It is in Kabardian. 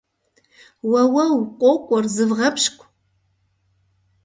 Уэуэу, къокӏуэр, зывгъэпщкӏу!